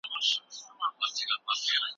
څومره سخت ،څومره اسانه